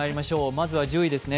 まずは１０位です。